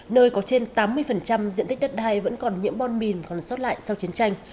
nơi có trên tám mươi diện tích đất đai vẫn còn nhiễm bom mìn còn sót lại sau chiến tranh